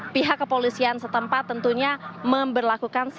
pihak kepolisian setempat tentunya memberlaku kontraflow